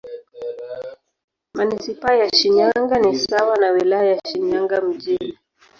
Manisipaa ya Shinyanga ni sawa na Wilaya ya Shinyanga Mjini.